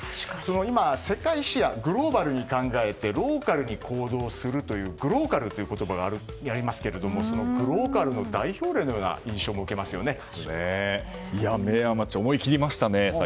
今、世界シェアグローバルに考えてローカルに行動するというグローカルという言葉がありますがグローカルの代表例のような明和町、思い切りましたね。